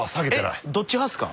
えっ？どっち派っすか？